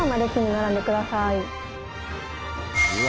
うわ。